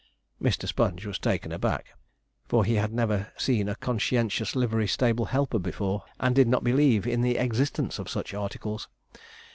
Mr. Sponge was taken aback, for he had never seen a conscientious livery stable helper before, and did not believe in the existence of such articles.